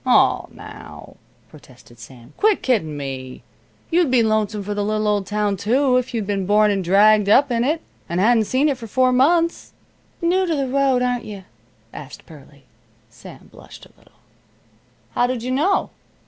"Oh, now," protested Sam, "quit kiddin' me! You'd be lonesome for the little old town, too, if you'd been born and dragged up in it, and hadn't seen it for four months." "New to the road, aren't you?" asked Pearlie. Sam blushed a little. "How did you know?"